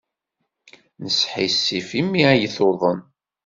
Nesḥissif imi ay tuḍen.